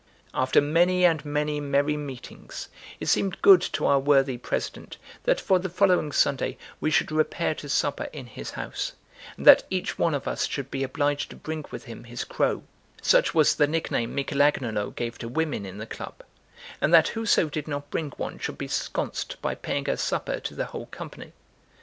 After many and many merry meetings, it seemed good to our worthy president that for the following Sunday we should repair to supper in his house, and that each one of us should be obliged to bring with him his crow (such was the nickname Michel Agnolo gave to women in the club), and that whoso did not bring one should be sconced by paying a supper to the whole company.